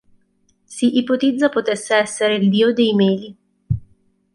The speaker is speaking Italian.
Si ipotizza potesse essere il dio dei meli.